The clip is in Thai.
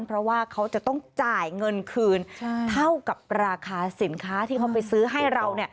เพราะว่าเขาจะต้องจ่ายเงินคืนเท่ากับราคาสินค้าที่เขาไปซื้อให้เรา